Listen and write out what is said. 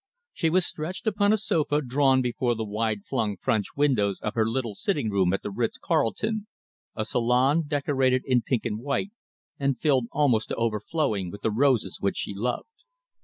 She was stretched upon a sofa drawn before the wide flung French windows of her little sitting room at the Ritz Carlton, a salon decorated in pink and white, and filled almost to overflowing with the roses which she loved.